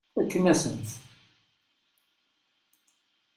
Fakken-asent-t.